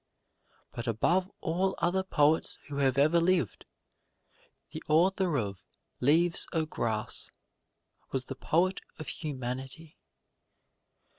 But above all other poets who have ever lived, the author of "Leaves of Grass" was the poet of humanity.